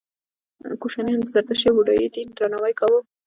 کوشانیانو د زردشتي او بودايي دین درناوی کاوه